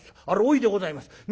あれ甥でございます。